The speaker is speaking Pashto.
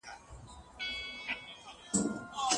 ډیجیټل محرمیت نن ورځ ډیر اړین دی.